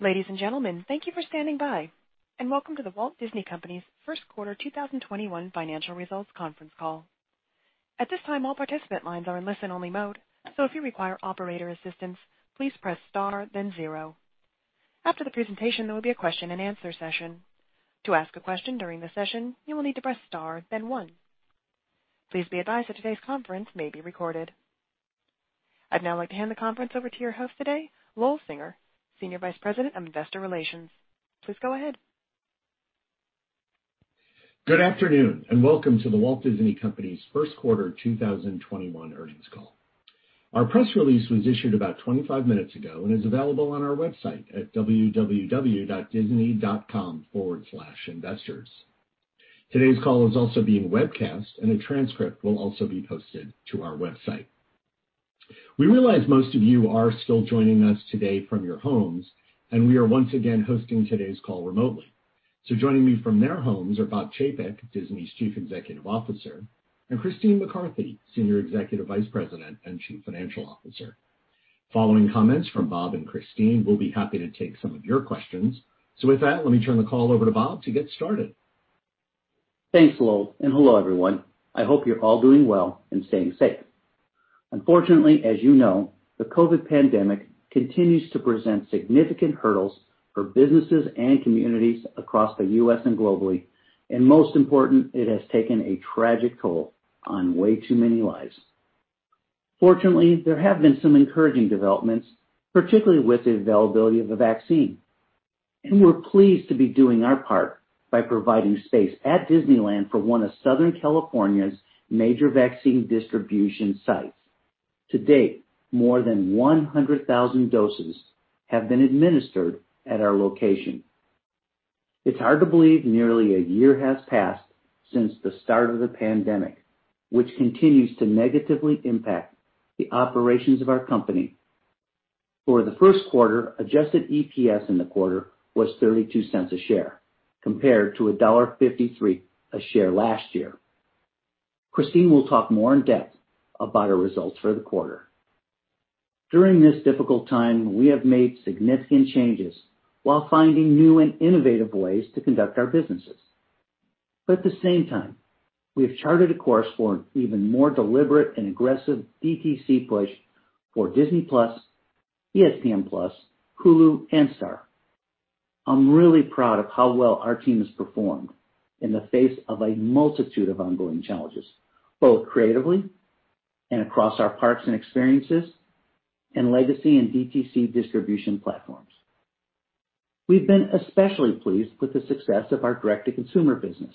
Ladies and gentlemen, thank you for standing by and welcome to The Walt Disney Company's first quarter 2021 financial results conference call. At this time, all participant lines are in listen only mode. After the presentation, there will be a question and answer session. Please be advised that today's conference may be recorded. I'd now like to hand the conference over to your host today, Lowell Singer, Senior Vice President of Investor Relations. Please go ahead. Good afternoon. Welcome to The Walt Disney Company's first quarter 2021 earnings call. Our press release was issued about 25 minutes ago and is available on our website at www.disney.com/investors. Today's call is also being webcast and a transcript will also be posted to our website. We realize most of you are still joining us today from your homes, and we are once again hosting today's call remotely. Joining me from their homes are Bob Chapek, Disney's Chief Executive Officer, and Christine McCarthy, Senior Executive Vice President and Chief Financial Officer. Following comments from Bob and Christine, we'll be happy to take some of your questions. With that, let me turn the call over to Bob to get started. Thanks, Lowell. Hello everyone. I hope you're all doing well and staying safe. Unfortunately, as you know, the COVID pandemic continues to present significant hurdles for businesses and communities across the U.S. and globally, and most important, it has taken a tragic toll on way too many lives. Fortunately, there have been some encouraging developments, particularly with the availability of the vaccine. We're pleased to be doing our part by providing space at Disneyland for one of Southern California's major vaccine distribution sites. To date, more than 100,000 doses have been administered at our location. It's hard to believe nearly a year has passed since the start of the pandemic, which continues to negatively impact the operations of our company. For the first quarter, adjusted EPS in the quarter was $0.32 a share compared to $1.53 a share last year. Christine will talk more in depth about our results for the quarter. During this difficult time, we have made significant changes while finding new and innovative ways to conduct our businesses. At the same time, we have charted a course for an even more deliberate and aggressive DTC push for Disney+, ESPN+, Hulu, and Star. I'm really proud of how well our team has performed in the face of a multitude of ongoing challenges, both creatively and across our parks and experiences, and legacy and DTC distribution platforms. We've been especially pleased with the success of our direct-to-consumer business,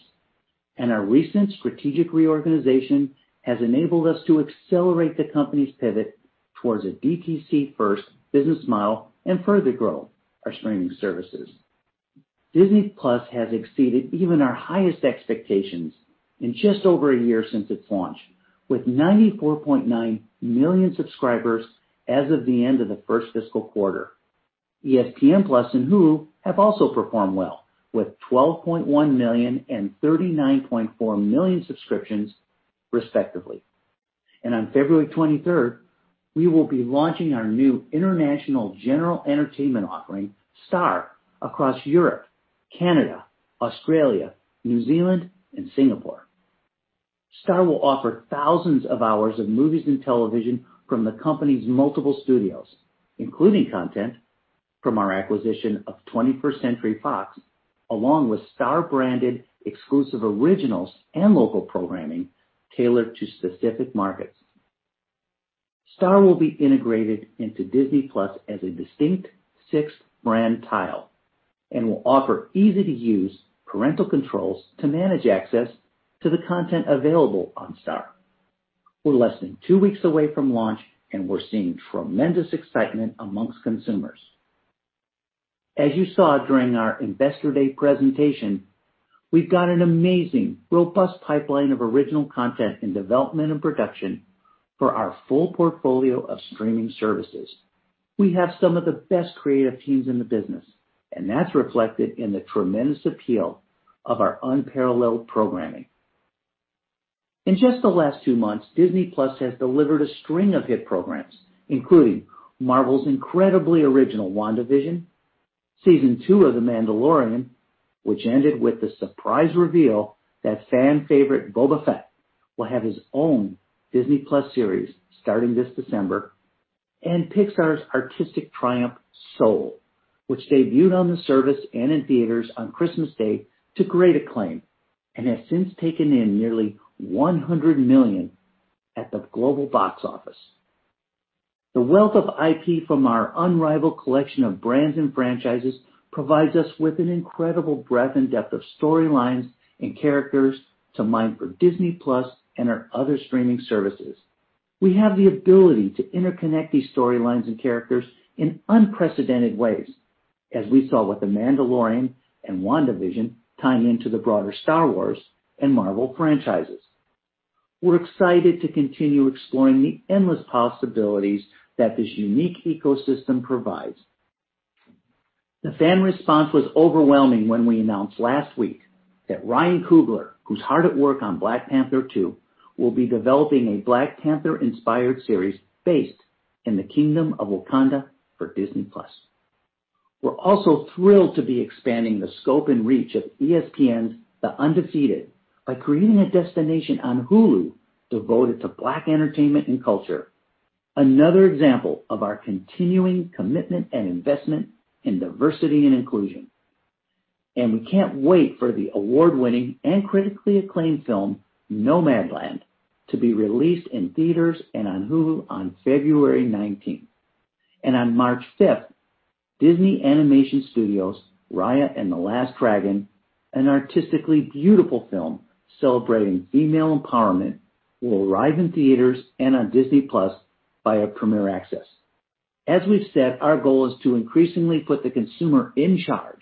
and our recent strategic reorganization has enabled us to accelerate the company's pivot towards a DTC first business model and further grow our streaming services. Disney+ has exceeded even our highest expectations in just over a year since its launch, with 94.9 million subscribers as of the end of the first fiscal quarter. ESPN+ and Hulu have also performed well, with 12.1 million and 39.4 million subscriptions respectively. On February 23rd, we will be launching our new international general entertainment offering, Star, across Europe, Canada, Australia, New Zealand, and Singapore. Star will offer thousands of hours of movies and television from the company's multiple studios, including content from our acquisition of 21st Century Fox, along with Star branded exclusive originals and local programming tailored to specific markets. Star will be integrated into Disney+ as a distinct sixth brand tile and will offer easy-to-use parental controls to manage access to the content available on Star. We're less than two weeks away from launch and we're seeing tremendous excitement amongst consumers. As you saw during our Investor Day presentation, we've got an amazing, robust pipeline of original content in development and production for our full portfolio of streaming services. We have some of the best creative teams in the business, and that's reflected in the tremendous appeal of our unparalleled programming. In just the last two months, Disney+ has delivered a string of hit programs, including Marvel's incredibly original WandaVision, season 2 of The Mandalorian, which ended with the surprise reveal that fan favorite Boba Fett will have his own Disney+ series starting this December, and Pixar's artistic triumph, Soul, which debuted on the service and in theaters on Christmas Day to great acclaim and has since taken in nearly $100 million at the global box office. The wealth of IP from our unrivaled collection of brands and franchises provides us with an incredible breadth and depth of storylines and characters to mine for Disney+ and our other streaming services. We have the ability to interconnect these storylines and characters in unprecedented ways, as we saw with The Mandalorian and WandaVision tying into the broader Star Wars and Marvel franchises. We're excited to continue exploring the endless possibilities that this unique ecosystem provides. The fan response was overwhelming when we announced last week that Ryan Coogler, who's hard at work on Black Panther 2, will be developing a Black Panther-inspired series based in the kingdom of Wakanda for Disney+. We're also thrilled to be expanding the scope and reach of ESPN's The Undefeated by creating a destination on Hulu devoted to Black entertainment and culture. Another example of our continuing commitment and investment in diversity and inclusion. We can't wait for the award-winning and critically acclaimed film, Nomadland, to be released in theaters and on Hulu on February 19th. On March 5th, Disney Animation Studios' Raya and the Last Dragon, an artistically beautiful film celebrating female empowerment, will arrive in theaters and on Disney+ via Premier Access. As we've said, our goal is to increasingly put the consumer in charge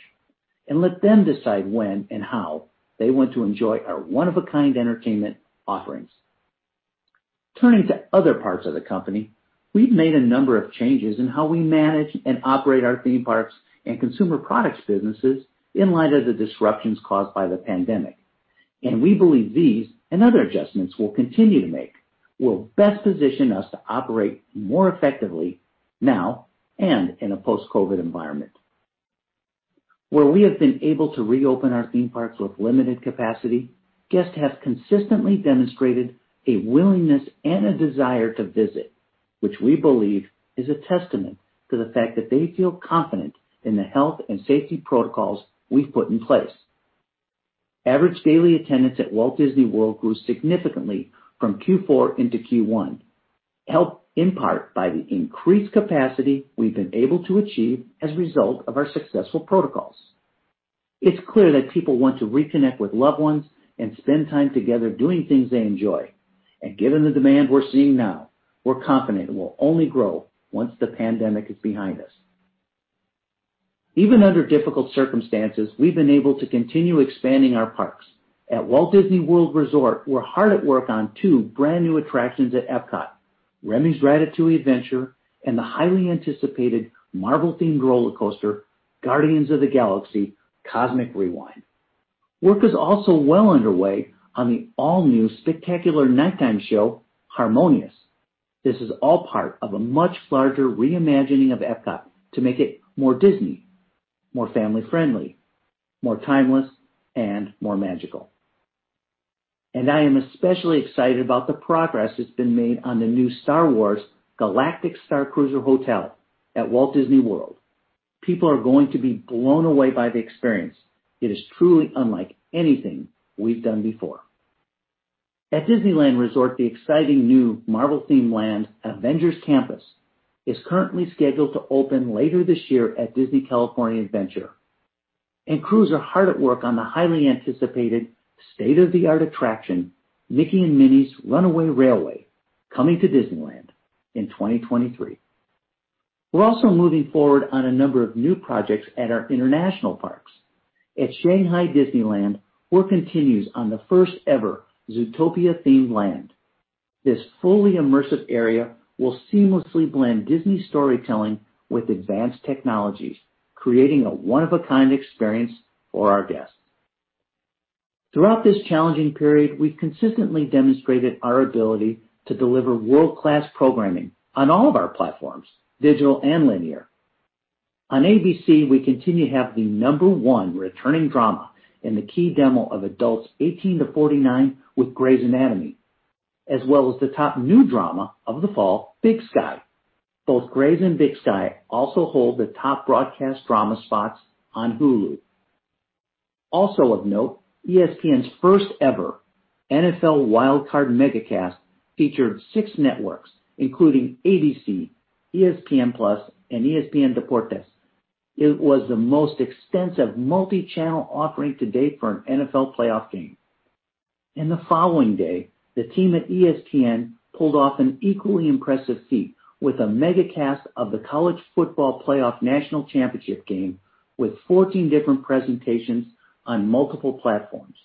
and let them decide when and how they want to enjoy our one-of-a-kind entertainment offerings. Turning to other parts of the company, we've made a number of changes in how we manage and operate our theme parks and consumer products businesses in light of the disruptions caused by the pandemic, and we believe these and other adjustments we'll continue to make will best position us to operate more effectively now and in a post-COVID environment. Where we have been able to reopen our theme parks with limited capacity, guests have consistently demonstrated a willingness and a desire to visit, which we believe is a testament to the fact that they feel confident in the health and safety protocols we've put in place. Average daily attendance at Walt Disney World grew significantly from Q4 into Q1, helped in part by the increased capacity we've been able to achieve as a result of our successful protocols. It's clear that people want to reconnect with loved ones and spend time together doing things they enjoy. Given the demand we're seeing now, we're confident it will only grow once the pandemic is behind us. Even under difficult circumstances, we've been able to continue expanding our parks. At Walt Disney World Resort, we're hard at work on two brand-new attractions at Epcot, Remy's Ratatouille Adventure and the highly anticipated Marvel-themed rollercoaster, Guardians of the Galaxy: Cosmic Rewind. Work is also well underway on the all-new spectacular nighttime show, Harmonious. This is all part of a much larger re-imagining of Epcot to make it more Disney, more family-friendly, more timeless, and more magical. I am especially excited about the progress that's been made on the new Star Wars: Galactic Starcruiser hotel at Walt Disney World. People are going to be blown away by the experience. It is truly unlike anything we've done before. At Disneyland Resort, the exciting new Marvel-themed land, Avengers Campus, is currently scheduled to open later this year at Disney California Adventure. Crews are hard at work on the highly anticipated state-of-the-art attraction, Mickey & Minnie's Runaway Railway, coming to Disneyland in 2023. We're also moving forward on a number of new projects at our international parks. At Shanghai Disneyland, work continues on the first-ever Zootopia-themed land. This fully immersive area will seamlessly blend Disney storytelling with advanced technologies, creating a one-of-a-kind experience for our guests. Throughout this challenging period, we've consistently demonstrated our ability to deliver world-class programming on all of our platforms, digital and linear. On ABC, we continue to have the number one returning drama in the key demo of adults 18 to 49 with Grey's Anatomy, as well as the top new drama of the fall, Big Sky. Both Grey's and Big Sky also hold the top broadcast drama spots on Hulu. Also of note, ESPN's first-ever NFL Wild Card MegaCast featured six networks, including ABC, ESPN+, and ESPN Deportes. It was the most extensive multi-channel offering to date for an NFL playoff game. The following day, the team at ESPN pulled off an equally impressive feat with a MegaCast of the College Football Playoff National Championship game with 14 different presentations on multiple platforms.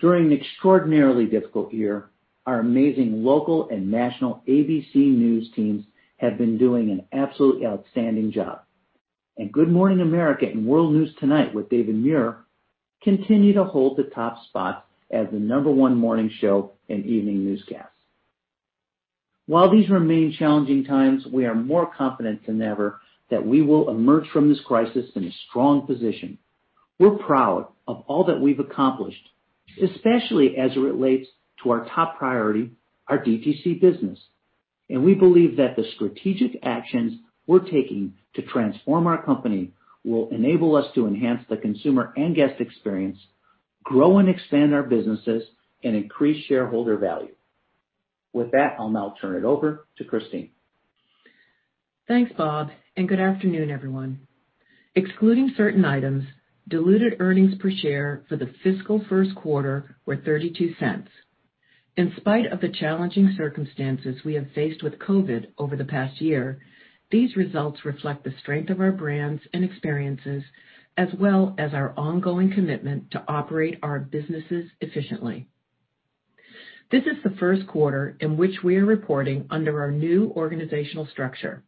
During an extraordinarily difficult year, our amazing local and national ABC News teams have been doing an absolutely outstanding job. Good Morning America and World News Tonight with David Muir continue to hold the top spot as the number one morning show and evening newscast. While these remain challenging times, we are more confident than ever that we will emerge from this crisis in a strong position. We're proud of all that we've accomplished, especially as it relates to our top priority, our DTC business, and we believe that the strategic actions we're taking to transform our company will enable us to enhance the consumer and guest experience, grow and expand our businesses, and increase shareholder value. With that, I'll now turn it over to Christine. Thanks, Bob, good afternoon, everyone. Excluding certain items, diluted earnings per share for the fiscal first quarter were $0.32. In spite of the challenging circumstances we have faced with COVID over the past year, these results reflect the strength of our brands and experiences, as well as our ongoing commitment to operate our businesses efficiently. This is the first quarter in which we are reporting under our new organizational structure.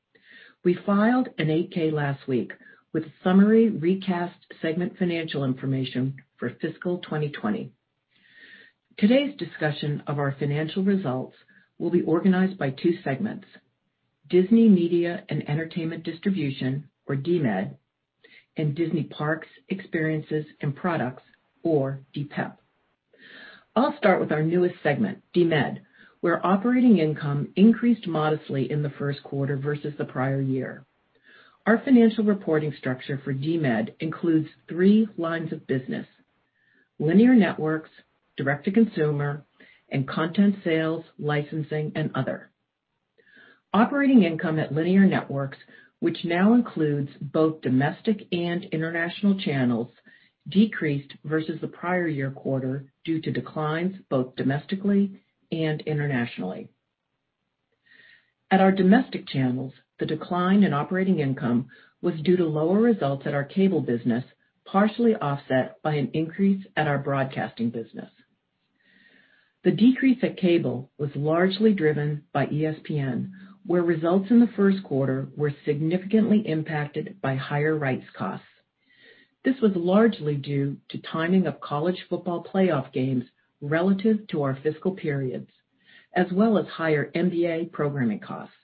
We filed an 8-K last week with summary recast segment financial information for fiscal 2020. Today's discussion of our financial results will be organized by two segments: Disney Media and Entertainment Distribution, or DMED, and Disney Parks, Experiences, and Products, or DPEP. I'll start with our newest segment, DMED, where operating income increased modestly in the first quarter versus the prior year. Our financial reporting structure for DMED includes three lines of business: linear networks, direct-to-consumer, and content sales, licensing, and other. Operating income at linear networks, which now includes both domestic and international channels, decreased versus the prior year quarter due to declines both domestically and internationally. At our domestic channels, the decline in operating income was due to lower results at our cable business, partially offset by an increase at our broadcasting business. The decrease at cable was largely driven by ESPN, where results in the first quarter were significantly impacted by higher rights costs. This was largely due to timing of College Football Playoff games relative to our fiscal periods, as well as higher NBA programming costs.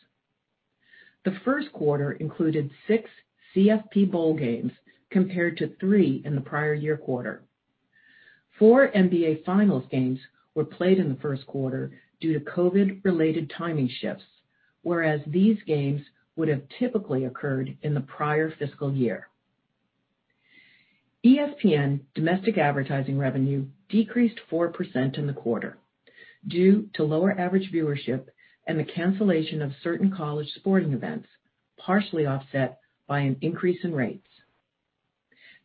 The first quarter included six CFP bowl games compared to three in the prior year quarter. Four NBA Finals games were played in the first quarter due to COVID-related timing shifts, whereas these games would have typically occurred in the prior fiscal year. ESPN domestic advertising revenue decreased 4% in the quarter due to lower average viewership and the cancellation of certain college sporting events, partially offset by an increase in rates.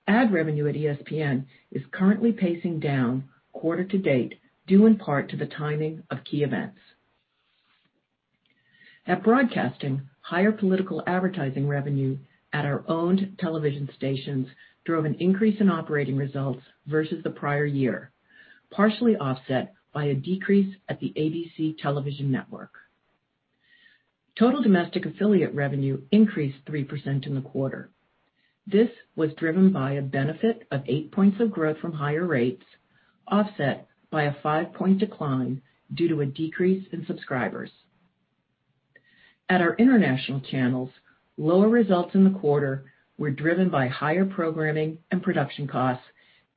Ad revenue at ESPN is currently pacing down quarter to date, due in part to the timing of key events. At broadcasting, higher political advertising revenue at our owned television stations drove an increase in operating results versus the prior year, partially offset by a decrease at the ABC television network. Total domestic affiliate revenue increased 3% in the quarter. This was driven by a benefit of 8 points of growth from higher rates, offset by a 5-point decline due to a decrease in subscribers. At our international channels, lower results in the quarter were driven by higher programming and production costs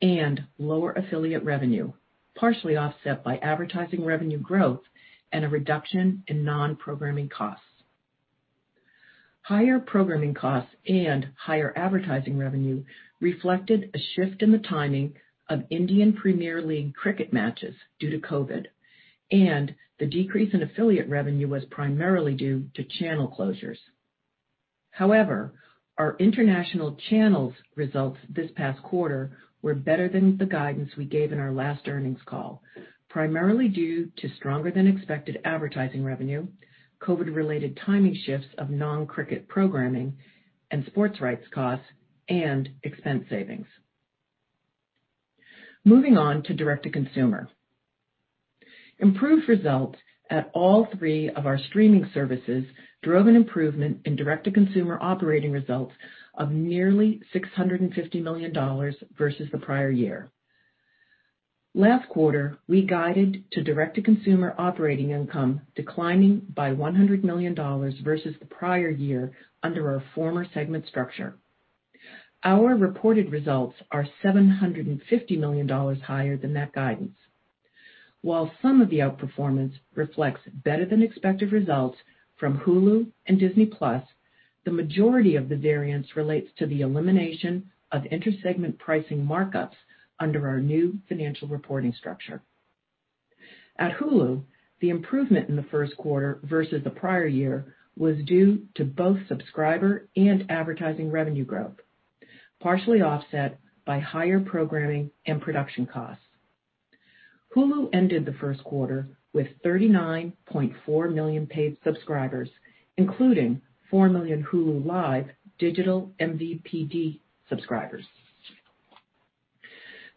and lower affiliate revenue, partially offset by advertising revenue growth and a reduction in non-programming costs. Higher programming costs and higher advertising revenue reflected a shift in the timing of Indian Premier League cricket matches due to COVID, and the decrease in affiliate revenue was primarily due to channel closures. However, our international channels results this past quarter were better than the guidance we gave in our last earnings call, primarily due to stronger than expected advertising revenue, COVID-related timing shifts of non-cricket programming and sports rights costs, and expense savings. Moving on to direct-to-consumer. Improved results at all three of our streaming services drove an improvement in direct-to-consumer operating results of nearly $650 million versus the prior year. Last quarter, we guided to direct-to-consumer operating income declining by $100 million versus the prior year under our former segment structure. Our reported results are $750 million higher than that guidance. While some of the outperformance reflects better than expected results from Hulu and Disney+, the majority of the variance relates to the elimination of intersegment pricing markups under our new financial reporting structure. At Hulu, the improvement in the first quarter versus the prior year was due to both subscriber and advertising revenue growth, partially offset by higher programming and production costs. Hulu ended the first quarter with 39.4 million paid subscribers, including four million Hulu Live digital MVPD subscribers.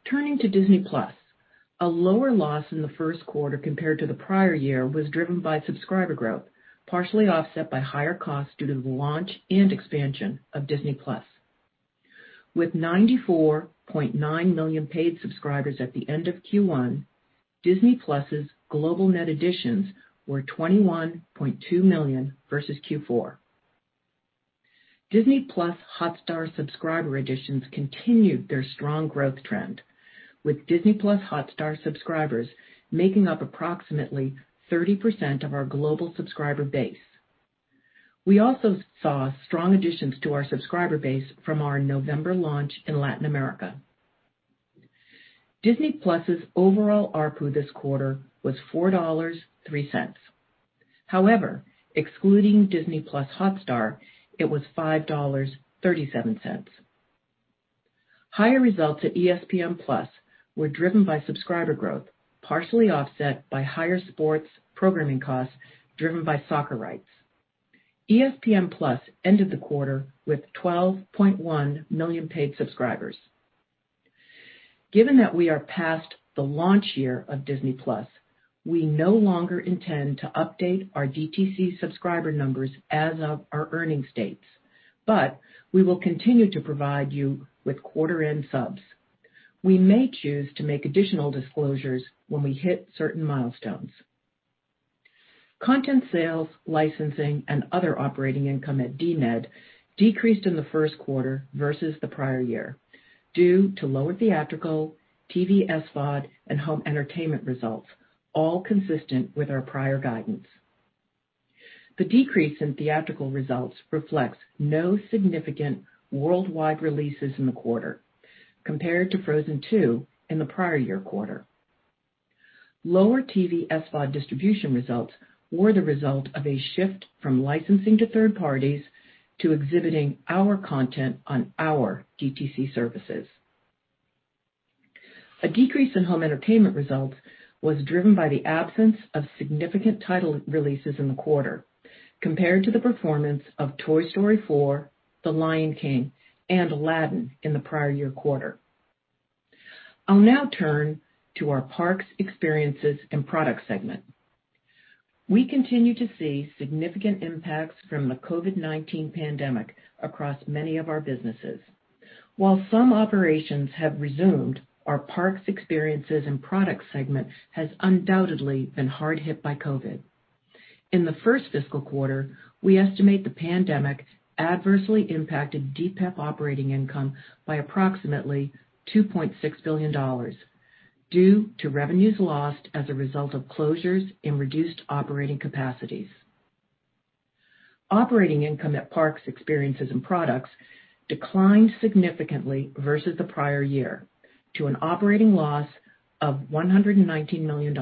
Turning to Disney+, a lower loss in the first quarter compared to the prior year was driven by subscriber growth, partially offset by higher costs due to the launch and expansion of Disney+. With 94.9 million paid subscribers at the end of Q1, Disney+'s global net additions were 21.2 million versus Q4. Disney+ Hotstar subscriber additions continued their strong growth trend, with Disney+ Hotstar subscribers making up approximately 30% of our global subscriber base. We also saw strong additions to our subscriber base from our November launch in Latin America. Disney+'s overall ARPU this quarter was $4.03. However, excluding Disney+ Hotstar, it was $5.37. Higher results at ESPN+ were driven by subscriber growth, partially offset by higher sports programming costs driven by soccer rights. ESPN+ ended the quarter with 12.1 million paid subscribers. Given that we are past the launch year of Disney+, we no longer intend to update our DTC subscriber numbers as of our earnings dates, but we will continue to provide you with quarter-end subs. We may choose to make additional disclosures when we hit certain milestones. Content sales, licensing, and other operating income at DMED decreased in the first quarter versus the prior year due to lower theatrical, TV SVOD, and home entertainment results, all consistent with our prior guidance. The decrease in theatrical results reflects no significant worldwide releases in the quarter compared to Frozen 2 in the prior year quarter. Lower TV SVOD distribution results were the result of a shift from licensing to third parties to exhibiting our content on our DTC services. A decrease in home entertainment results was driven by the absence of significant title releases in the quarter compared to the performance of "Toy Story 4," "The Lion King" and "Aladdin" in the prior year quarter. I'll now turn to our Parks, Experiences, and Products segment. We continue to see significant impacts from the COVID-19 pandemic across many of our businesses. While some operations have resumed, our Parks, Experiences, and Products segment has undoubtedly been hard hit by COVID. In the first fiscal quarter, we estimate the pandemic adversely impacted DPEP operating income by approximately $2.6 billion due to revenues lost as a result of closures and reduced operating capacities. Operating income at Disney Parks, Experiences and Products declined significantly versus the prior year to an operating loss of $119 million.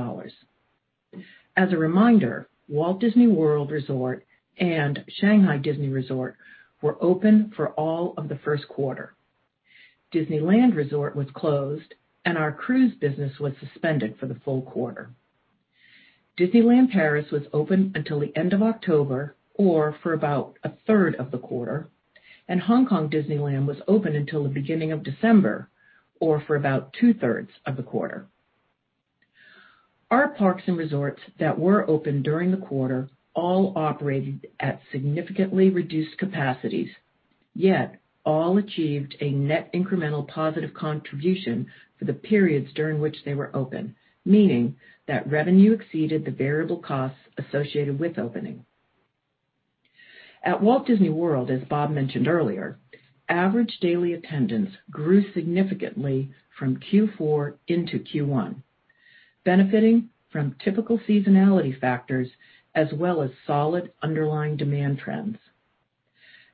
As a reminder, Walt Disney World Resort and Shanghai Disney Resort were open for all of the first quarter. Disneyland Resort was closed, and our cruise business was suspended for the full quarter. Disneyland Paris was open until the end of October, or for about a third of the quarter, and Hong Kong Disneyland was open until the beginning of December, or for about two-thirds of the quarter. Our parks and resorts that were open during the quarter all operated at significantly reduced capacities, yet all achieved a net incremental positive contribution for the periods during which they were open, meaning that revenue exceeded the variable costs associated with opening. At Walt Disney World, as Bob mentioned earlier, average daily attendance grew significantly from Q4 into Q1, benefiting from typical seasonality factors as well as solid underlying demand trends.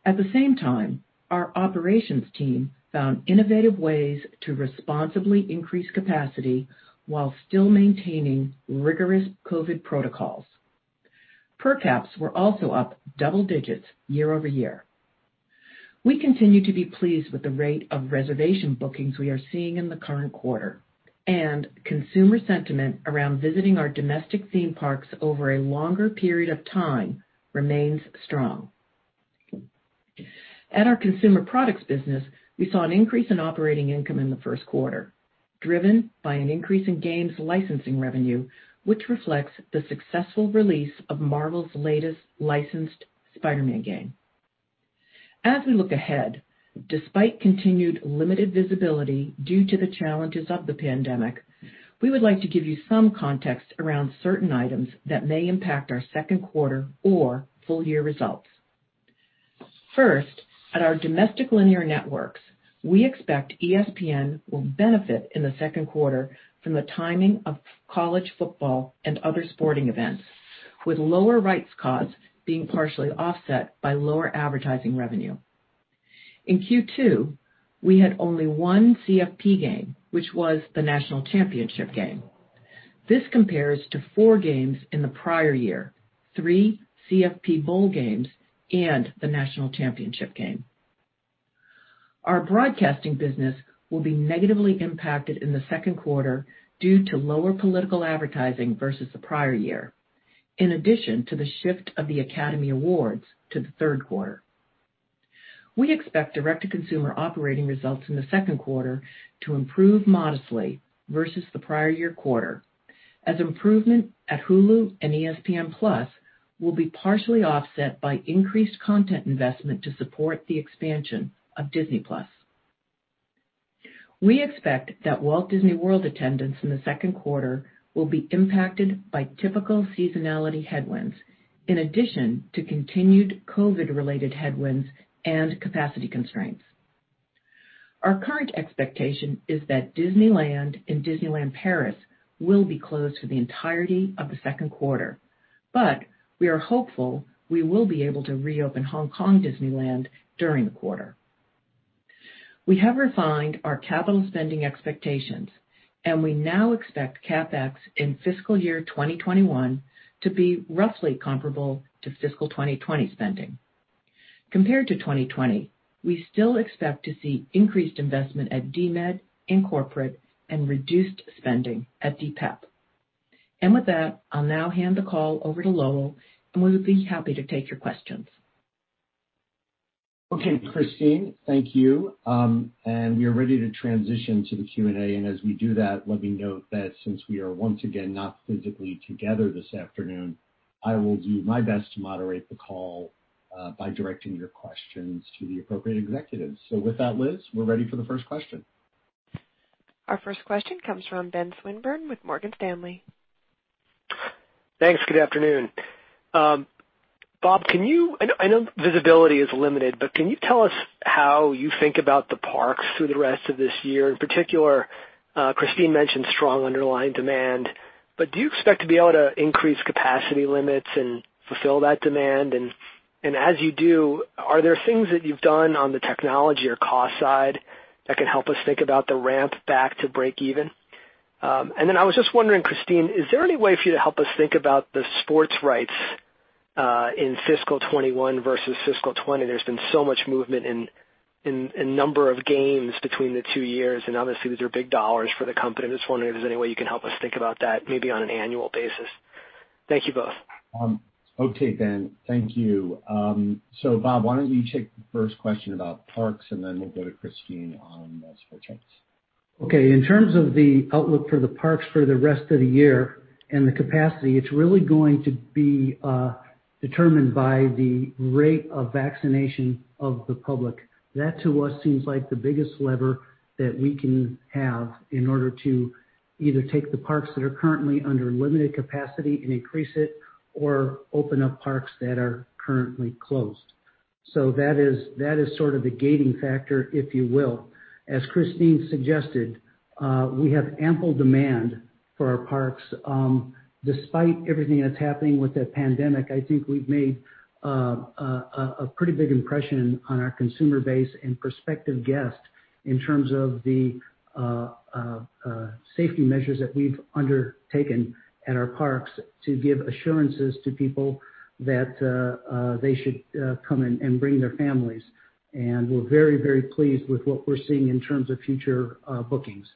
At the same time, our operations team found innovative ways to responsibly increase capacity while still maintaining rigorous COVID protocols. Per caps were also up double digits year-over-year. We continue to be pleased with the rate of reservation bookings we are seeing in the current quarter, and consumer sentiment around visiting our domestic theme parks over a longer period of time remains strong. At our consumer products business, we saw an increase in operating income in the first quarter, driven by an increase in games licensing revenue, which reflects the successful release of Marvel's latest licensed Spider-Man game. As we look ahead, despite continued limited visibility due to the challenges of the pandemic, we would like to give you some context around certain items that may impact our second quarter or full year results. First, at our domestic linear networks, we expect ESPN will benefit in the second quarter from the timing of college football and other sporting events with lower rights costs being partially offset by lower advertising revenue. In Q2, we had only one CFP game, which was the National Championship Game. This compares to four games in the prior year: three CFP Bowl Games and the National Championship Game. Our broadcasting business will be negatively impacted in the second quarter due to lower political advertising versus the prior year, in addition to the shift of the Academy Awards to the third quarter. We expect direct-to-consumer operating results in the second quarter to improve modestly versus the prior year quarter as improvement at Hulu and ESPN+ will be partially offset by increased content investment to support the expansion of Disney+. We expect that Walt Disney World attendance in the second quarter will be impacted by typical seasonality headwinds in addition to continued COVID-related headwinds and capacity constraints. Our current expectation is that Disneyland and Disneyland Paris will be closed for the entirety of the second quarter, but we are hopeful we will be able to reopen Hong Kong Disneyland during the quarter. We have refined our capital spending expectations, and we now expect CapEx in fiscal year 2021 to be roughly comparable to fiscal 2020 spending. Compared to 2020, we still expect to see increased investment at DMED and corporate and reduced spending at DPEP. With that, I'll now hand the call over to Lowell, and we'll be happy to take your questions. Okay, Christine. Thank you. We are ready to transition to the Q&A. As we do that, let me note that since we are once again not physically together this afternoon, I will do my best to moderate the call by directing your questions to the appropriate executives. With that, Liz, we're ready for the first question. Our first question comes from Benjamin Swinburne with Morgan Stanley. Thanks. Good afternoon. Bob, I know visibility is limited, can you tell us how you think about the parks through the rest of this year? In particular, Christine mentioned strong underlying demand. Do you expect to be able to increase capacity limits and fulfill that demand? As you do, are there things that you've done on the technology or cost side that can help us think about the ramp back to break even? I was just wondering, Christine, is there any way for you to help us think about the sports rights, in fiscal 2021 versus fiscal 2020? There's been so much movement in number of games between the two years, and obviously, those are big dollars for the company. I'm just wondering if there's any way you can help us think about that, maybe on an annual basis. Thank you both. Okay, Ben. Thank you. Bob, why don't you take the first question about parks, and then we'll go to Christine on the sports rights. Okay. In terms of the outlook for the parks for the rest of the year and the capacity, it's really going to be determined by the rate of vaccination of the public. That, to us, seems like the biggest lever that we can have in order to either take the parks that are currently under limited capacity and increase it or open up parks that are currently closed. That is sort of the gating factor, if you will. As Christine suggested, we have ample demand for our parks. Despite everything that's happening with the pandemic, I think we've made a pretty big impression on our consumer base and prospective guests in terms of the safety measures that we've undertaken at our parks to give assurances to people that they should come and bring their families. We're very pleased with what we're seeing in terms of future bookings.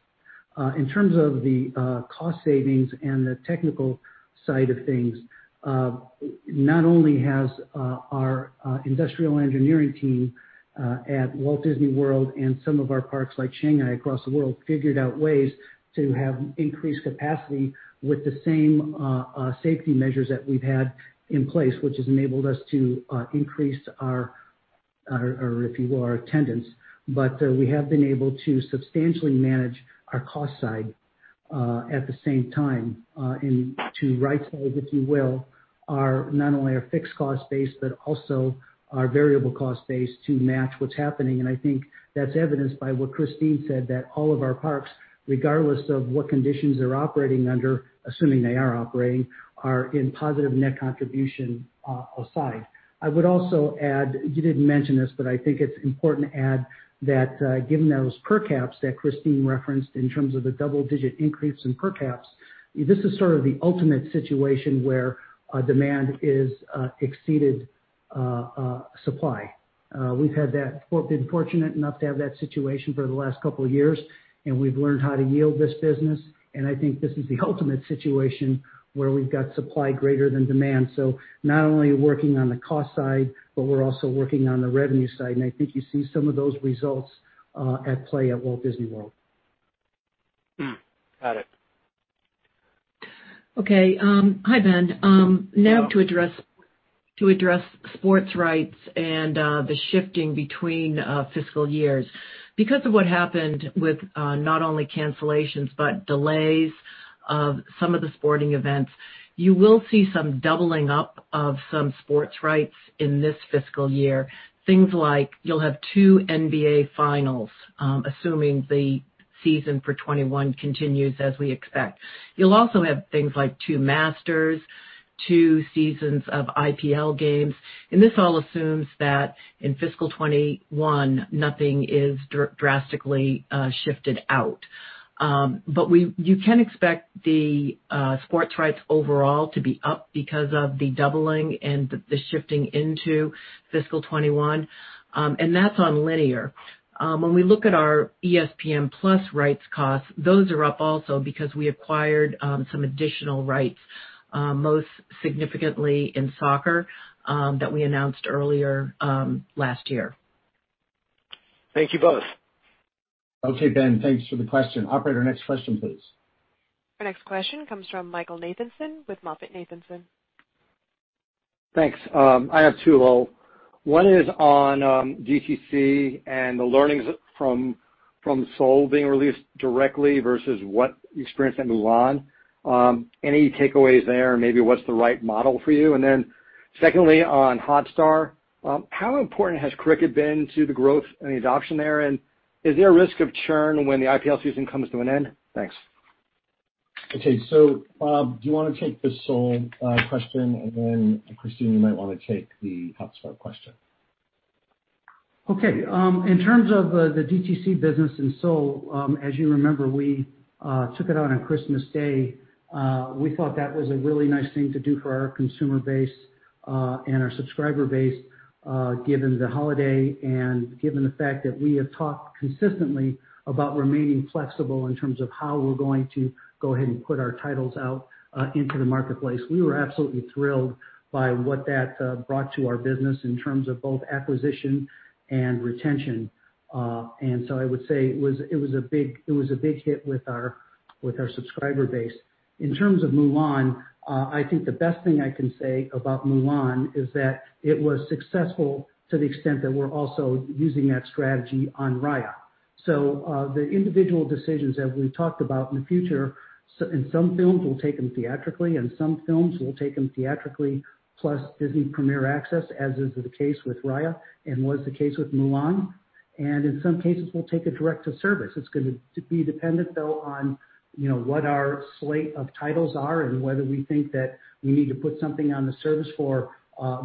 In terms of the cost savings and the technical side of things, not only has our industrial engineering team at Walt Disney World and some of our parks like Shanghai across the world figured out ways to have increased capacity with the same safety measures that we've had in place, which has enabled us to increase our, if you will, our attendance. We have been able to substantially manage our cost side at the same time and to right size, if you will, not only our fixed cost base, but also our variable cost base to match what's happening. I think that's evidenced by what Christine said, that all of our parks, regardless of what conditions they're operating under, assuming they are operating, are in positive net contribution aside. I would also add, you didn't mention this, but I think it's important to add that given those per caps that Christine referenced in terms of the double-digit increase in per caps, this is sort of the ultimate situation where demand has exceeded supply. We've been fortunate enough to have that situation for the last couple of years, and we've learned how to yield this business, and I think this is the ultimate situation where we've got supply greater than demand. Not only are we working on the cost side, but we're also working on the revenue side, and I think you see some of those results at play at Walt Disney World. Got it. Okay. Hi, Ben. Now to address sports rights and the shifting between fiscal years. Because of what happened with not only cancellations, but delays of some of the sporting events, you will see some doubling up of some sports rights in this fiscal year. Things like you'll have two NBA Finals, assuming the season for 2021 continues as we expect. You'll also have things like two Masters, two seasons of IPL games. This all assumes that in fiscal 2021, nothing is drastically shifted out. You can expect the sports rights overall to be up because of the doubling and the shifting into fiscal 2021. That's on linear. When we look at our ESPN+ rights costs, those are up also because we acquired some additional rights, most significantly in soccer, that we announced earlier last year. Thank you both. Okay, Ben. Thanks for the question. Operator, next question, please. Our next question comes from Michael Nathanson with MoffettNathanson. Thanks. I have two, Lowell. One is on DTC and the learnings from Soul being released directly versus what you experienced at Mulan. Any takeaways there? Maybe what's the right model for you? Then secondly, on Hotstar, how important has cricket been to the growth and the adoption there? Is there a risk of churn when the IPL season comes to an end? Thanks. Okay. Bob, do you want to take the Soul question? Christine, you might want to take the Hotstar question. Okay. In terms of the DTC business in Soul, as you remember, we took it on Christmas Day. We thought that was a really nice thing to do for our consumer base and our subscriber base, given the holiday and given the fact that we have talked consistently about remaining flexible in terms of how we're going to go ahead and put our titles out into the marketplace. We were absolutely thrilled by what that brought to our business in terms of both acquisition and retention. I would say it was a big hit with our subscriber base. In terms of Mulan, I think the best thing I can say about Mulan is that it was successful to the extent that we're also using that strategy on Raya. The individual decisions that we talked about in the future, in some films, we'll take them theatrically, and some films we'll take them theatrically plus Disney Premier Access, as is the case with Raya, and was the case with Mulan. In some cases, we'll take a direct-to-service. It's going to be dependent, though, on what our slate of titles are and whether we think that we need to put something on the service for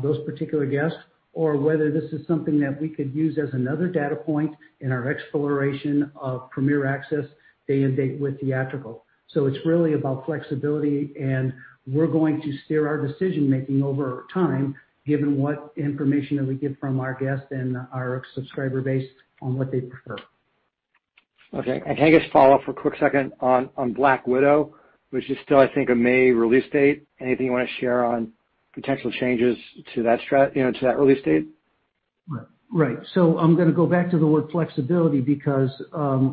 those particular guests, or whether this is something that we could use as another data point in our exploration of Premier Access day-and-date with theatrical. It's really about flexibility, and we're going to steer our decision-making over time, given what information that we get from our guests and our subscriber base on what they prefer. Okay. Can I just follow up for a quick second on "Black Widow," which is still, I think, a May release date. Anything you want to share on potential changes to that release date? Right. I'm going to go back to the word flexibility because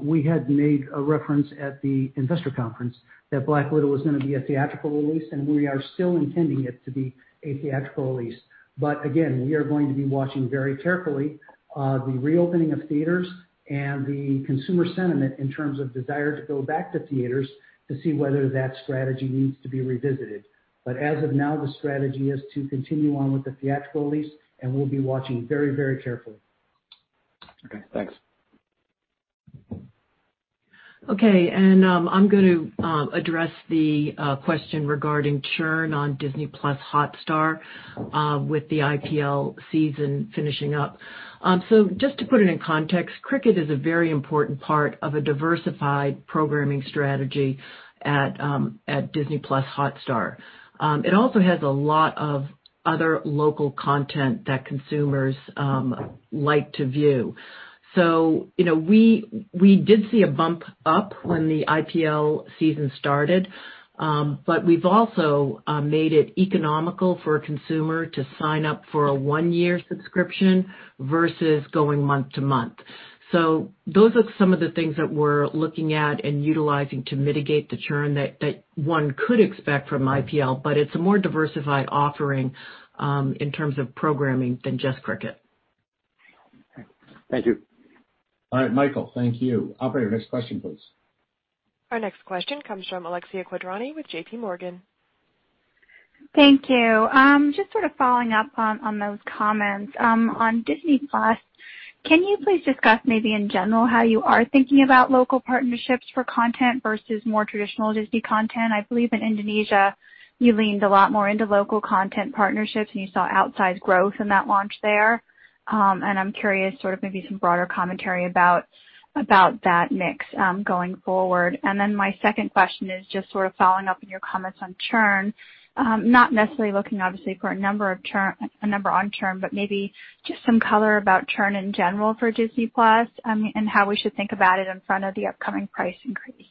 we had made a reference at the investor conference that "Black Widow" was going to be a theatrical release, and we are still intending it to be a theatrical release. Again, we are going to be watching very carefully the reopening of theaters and the consumer sentiment in terms of desire to go back to theaters to see whether that strategy needs to be revisited. As of now, the strategy is to continue on with the theatrical release, and we'll be watching very carefully. Okay, thanks. Okay, I'm going to address the question regarding churn on Disney+ Hotstar with the IPL season finishing up. Just to put it in context, cricket is a very important part of a diversified programming strategy at Disney+ Hotstar. It also has a lot of other local content that consumers like to view. We did see a bump up when the IPL season started, but we've also made it economical for a consumer to sign up for a one-year subscription versus going month to month. Those are some of the things that we're looking at and utilizing to mitigate the churn that one could expect from IPL. It's a more diversified offering in terms of programming than just cricket. Thank you. All right, Michael, thank you. Operator, next question, please. Our next question comes from Alexia Quadrani with J.P. Morgan. Thank you. Just following up on those comments. On Disney+, can you please discuss maybe in general how you are thinking about local partnerships for content versus more traditional Disney content? I believe in Indonesia, you leaned a lot more into local content partnerships, and you saw outsized growth in that launch there. I'm curious, maybe some broader commentary about that mix going forward. My second question is just following up on your comments on churn. Not necessarily looking, obviously, for a number on churn, but maybe just some color about churn in general for Disney+ and how we should think about it in front of the upcoming price increase.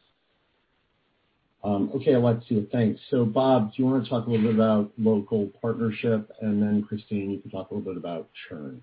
Okay, Alexia. Thanks. Bob, do you want to talk a little bit about local partnership, and then Christine, you can talk a little bit about churn?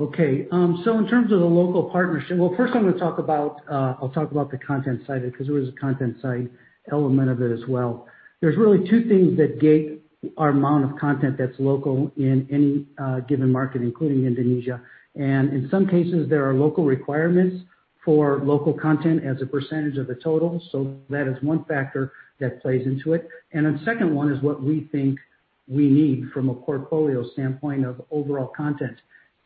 Okay. In terms of the local partnership, well, first I'm going to talk about the content side of it because there was a content-side element of it as well. There's really two things that gate our amount of content that's local in any given market, including Indonesia. In some cases, there are local requirements for local content as a % of the total. That is one factor that plays into it. The second one is what we think we need from a portfolio standpoint of overall content.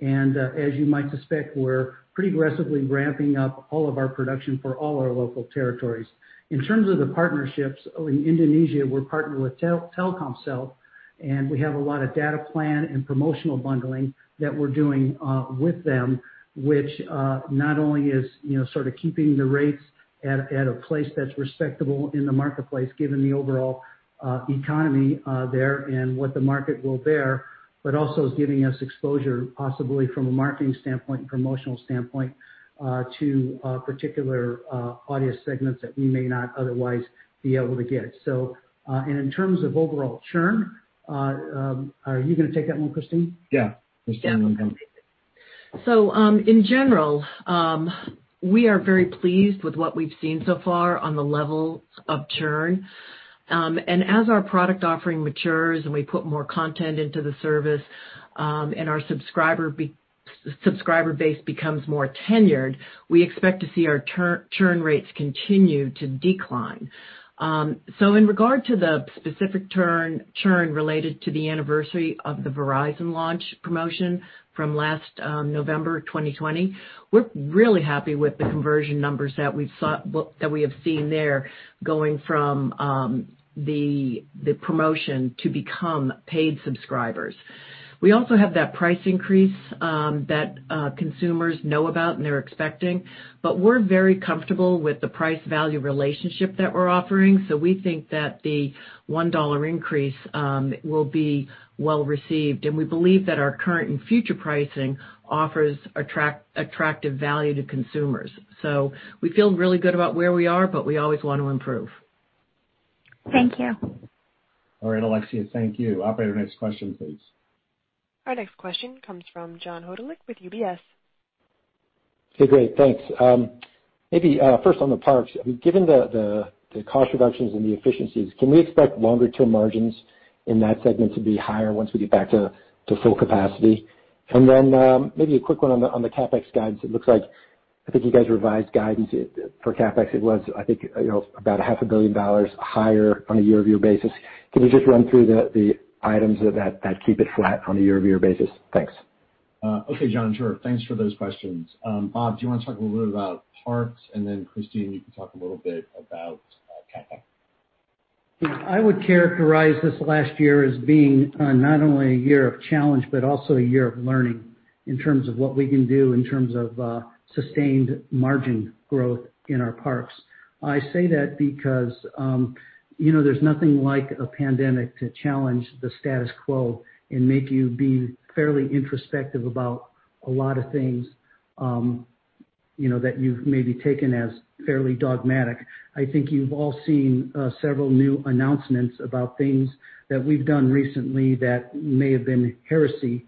As you might suspect, we're pretty aggressively ramping up all of our production for all our local territories. In terms of the partnerships, in Indonesia, we're partnered with Telkomsel, and we have a lot of data plan and promotional bundling that we're doing with them, which not only is keeping the rates at a place that's respectable in the marketplace given the overall economy there and what the market will bear, but also is giving us exposure, possibly from a marketing standpoint and promotional standpoint to particular audience segments that we may not otherwise be able to get. In terms of overall churn, are you going to take that one, Christine? Yeah. Christine will take that. In general, we are very pleased with what we've seen so far on the level of churn. As our product offering matures and we put more content into the service and our subscriber base becomes more tenured, we expect to see our churn rates continue to decline. In regard to the specific churn related to the anniversary of the Verizon launch promotion from last November 2020, we're really happy with the conversion numbers that we have seen there going from the promotion to become paid subscribers. We also have that price increase that consumers know about and they're expecting. We're very comfortable with the price value relationship that we're offering. We think that the $1 increase will be well-received, and we believe that our current and future pricing offers attractive value to consumers. We feel really good about where we are, but we always want to improve. Thank you. All right, Alexia. Thank you. Operator, next question, please. Our next question comes from John Hodulik with UBS. Hey, great, thanks. Maybe first on the Parks. Given the cost reductions and the efficiencies, can we expect longer-term margins in that segment to be higher once we get back to full capacity? Maybe a quick one on the CapEx guidance. It looks like, I think you guys revised guidance for CapEx. It was, I think, about a half a billion dollars higher on a year-over-year basis. Can you just run through the items that keep it flat on a year-over-year basis? Thanks. Okay, John, sure. Thanks for those questions. Bob, do you want to talk a little bit about parks, and then Christine, you can talk a little bit about CapEx. I would characterize this last year as being not only a year of challenge but also a year of learning in terms of what we can do in terms of sustained margin growth in our parks. I say that because there's nothing like a pandemic to challenge the status quo and make you be fairly introspective about a lot of things that you've maybe taken as fairly dogmatic. I think you've all seen several new announcements about things that we've done recently that may have been heresy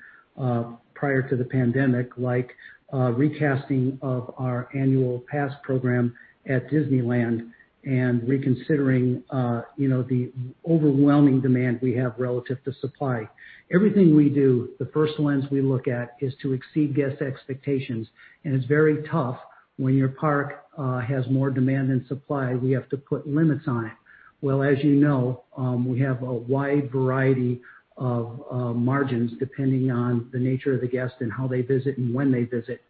prior to the pandemic, like recasting of our annual pass program at Disneyland and reconsidering the overwhelming demand we have relative to supply. Everything we do, the first lens we look at is to exceed guest expectations, and it's very tough when your park has more demand than supply. We have to put limits on it. Well, as you know, we have a wide variety of margins depending on the nature of the guest and how they visit and when they visit.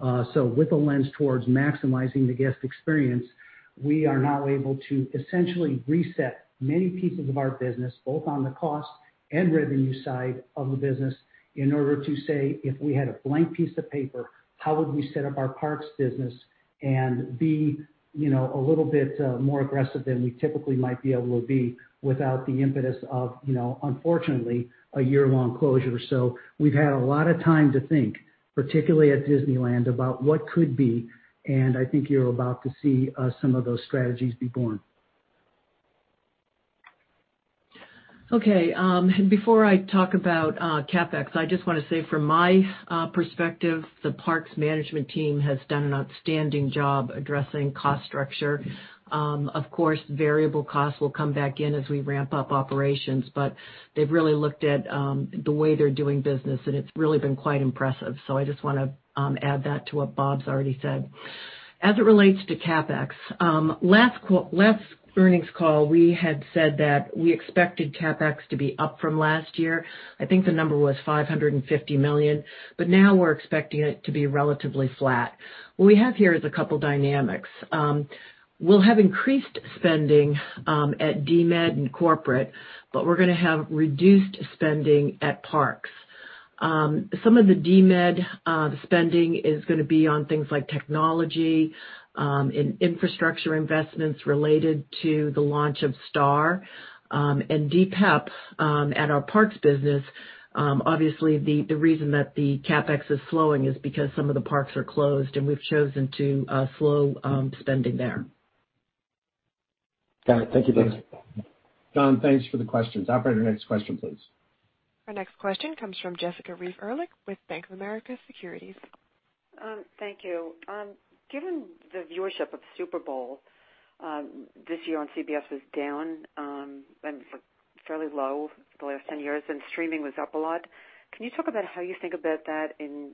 With a lens towards maximizing the guest experience, we are now able to essentially reset many pieces of our business, both on the cost and revenue side of the business, in order to say, if we had a blank piece of paper, how would we set up our parks business and be a little bit more aggressive than we typically might be able to be without the impetus of, unfortunately, a year-long closure. We've had a lot of time to think, particularly at Disneyland, about what could be, and I think you're about to see some of those strategies be born. Before I talk about CapEx, I just want to say from my perspective, the parks management team has done an outstanding job addressing cost structure. Variable costs will come back in as we ramp up operations, they've really looked at the way they're doing business, and it's really been quite impressive. I just want to add that to what Bob's already said. As it relates to CapEx, last earnings call, we had said that we expected CapEx to be up from last year. I think the number was $550 million, now we're expecting it to be relatively flat. What we have here is a couple of dynamics. We'll have increased spending at DMED and corporate, we're going to have reduced spending at parks. Some of the DMED spending is going to be on things like technology and infrastructure investments related to the launch of Star and DPEP at our parks business. Obviously, the reason that the CapEx is slowing is because some of the parks are closed, and we've chosen to slow spending there. Got it. Thank you. John, thanks for the questions. Operator, next question, please. Our next question comes from Jessica Reif Ehrlich with Bank of America Securities. Thank you. Given the viewership of Super Bowl this year on CBS was down and fairly low for the last 10 years, and streaming was up a lot. Can you talk about how you think about that in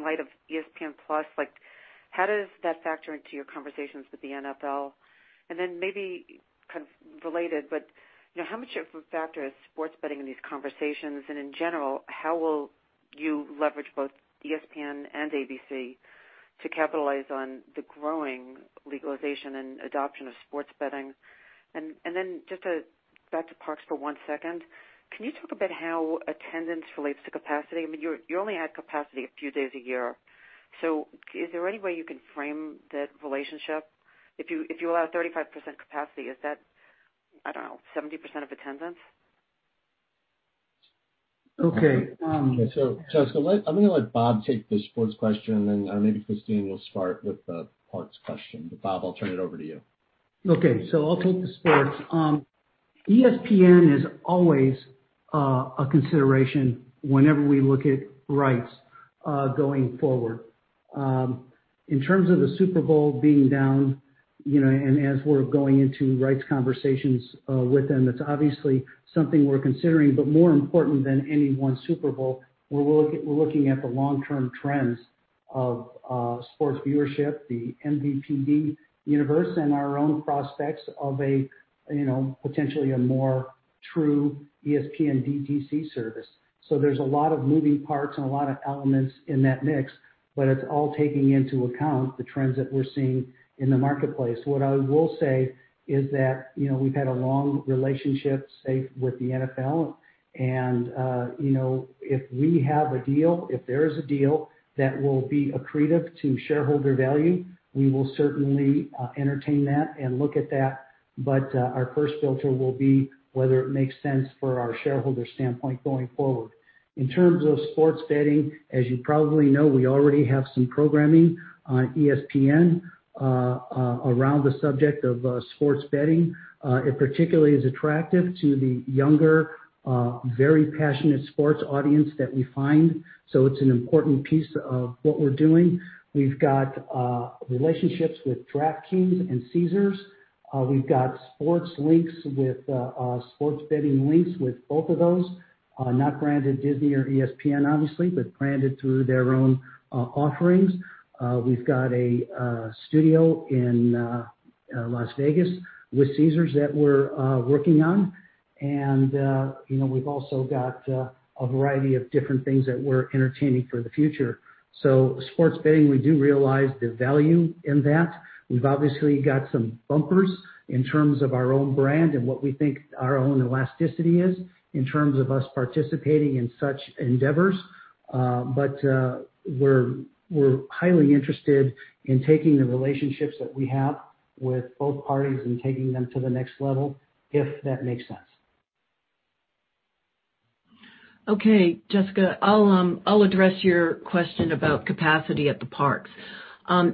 light of ESPN+, how does that factor into your conversations with the NFL? Then maybe kind of related, but how much of a factor is sports betting in these conversations? In general, how will you leverage both ESPN and ABC to capitalize on the growing legalization and adoption of sports betting? Then just back to parks for one second, can you talk about how attendance relates to capacity? You only add capacity a few days a year. Is there any way you can frame that relationship? If you allow 35% capacity, is that, I don't know, 70% of attendance? Okay. Okay. Jessica, I'm going to let Bob take the sports question and then maybe Christine will start with the parks question. Bob, I'll turn it over to you. Okay. I'll take the sports. ESPN is always a consideration whenever we look at rights going forward. In terms of the Super Bowl being down and as we're going into rights conversations with them, it's obviously something we're considering. More important than any one Super Bowl, we're looking at the long-term trends of sports viewership, the MVPD universe, and our own prospects of potentially a more true ESPN DTC service. There's a lot of moving parts and a lot of elements in that mix, it's all taking into account the trends that we're seeing in the marketplace. What I will say is that we've had a long relationship, say, with the NFL if we have a deal, if there is a deal that will be accretive to shareholder value, we will certainly entertain that and look at that. Our first filter will be whether it makes sense for our shareholder standpoint going forward. In terms of sports betting, as you probably know, we already have some programming on ESPN around the subject of sports betting. It particularly is attractive to the younger, very passionate sports audience that we find. It's an important piece of what we're doing. We've got relationships with DraftKings and Caesars. We've got sports betting links with both of those, not branded Disney or ESPN, obviously, but branded through their own offerings. We've got a studio in Las Vegas with Caesars that we're working on. We've also got a variety of different things that we're entertaining for the future. Sports betting, we do realize the value in that. We've obviously got some bumpers in terms of our own brand and what we think our own elasticity is in terms of us participating in such endeavors. We're highly interested in taking the relationships that we have with both parties and taking them to the next level, if that makes sense. Okay, Jessica, I'll address your question about capacity at the parks.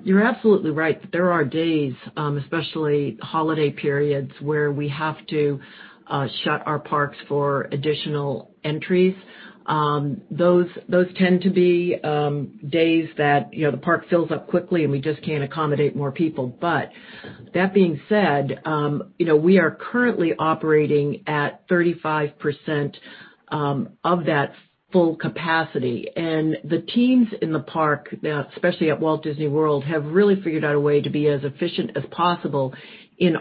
You're absolutely right that there are days, especially holiday periods, where we have to shut our parks for additional entries. Those tend to be days that the park fills up quickly and we just can't accommodate more people. That being said, we are currently operating at 35% of that full capacity. The teams in the park now, especially at Walt Disney World, have really figured out a way to be as efficient as possible in